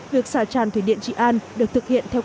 việc xả tràn thủy điện trị an được thực hiện theo